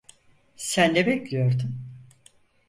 Sen ne bekliyordun?